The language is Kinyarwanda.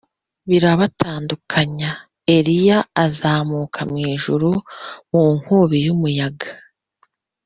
birabatandukanya. eliya azamuka mu ijuru mu nkubi y’umuyaga